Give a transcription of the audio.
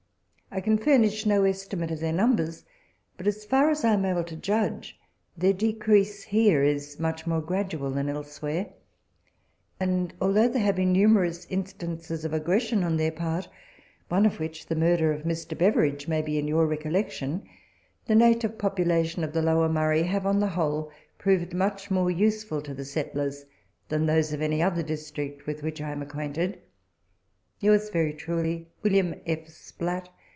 I can furnish no estimate of their numbers, but, as far as I am able to judge, their decrease here is much more gradual than elsewhere ; and although there have been numerous instances of aggression on their part (one of which, the murder of Mr. Beveridge, may be in your recollection), the native population of the Lower Murray have, on the whole, proved much more useful to the settlers than those of any other district with which I am acquainted. Yours very truly, WM. F. SPLATT.